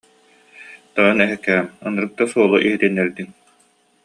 Тойон эһэккээм, ынырык да суолу иһитиннэрдиҥ